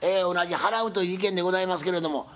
同じ払うという意見でございますけれども。